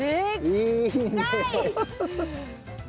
いいねえ。